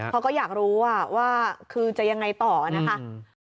เขาก็อยากรู้ว่าคือจะยังไงต่อนะคะ